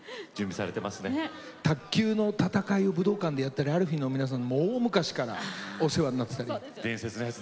卓球の戦いを武道館でやったりＴＨＥＡＬＦＥＥの皆さんには大昔からお世話になってた。